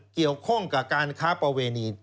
เกี่ยวข้องกับการค้าประเวณี